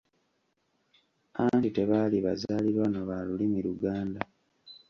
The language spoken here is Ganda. Anti tebaali bazaaliranwa ba lulimi Luganda.